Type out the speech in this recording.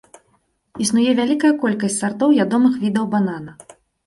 Існуе вялікая колькасць сартоў ядомых відаў банана.